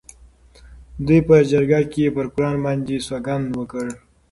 دوی په جرګه کې پر قرآن باندې سوګند وکړ.